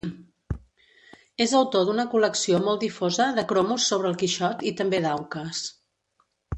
És autor d'una col·lecció molt difosa de cromos sobre el Quixot i també d'auques.